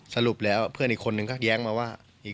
สรุปแล้วเพื่อนอีกคนนึงก็แย้งมาว่า